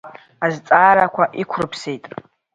Азҵаарақәа иқәрыԥсеит.